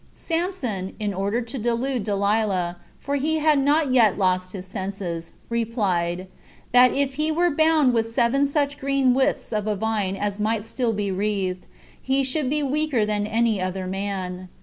Samson, in order to delude Delilah, for he had not yet lost his senses, replied, that if he were bound with seven such green withs of a vine as might still be wreathed, he should be weaker than any other man.